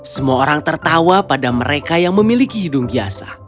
semua orang tertawa pada mereka yang memiliki hidung biasa